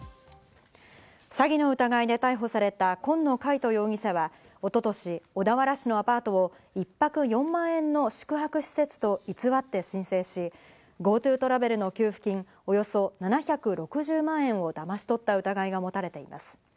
詐欺の疑いで逮捕された紺野海斗容疑者は一昨年、小田原市のアパートを一泊４万円の宿泊施設と偽って申請し、ＧｏＴｏトラベルの給付金、およそ７６０万円をだまし取った疑いが持たれています。